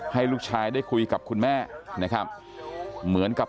ให้ลูกชายได้คุยกับคุณแม่นะครับ